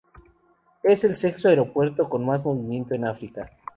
Es el sexto aeropuerto con más movimiento en África.